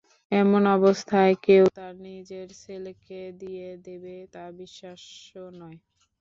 এমন অবস্থায় কেউ তার নিজের ছেলেকে দিয়ে দেবে, তা বিশ্বাস্য নয়।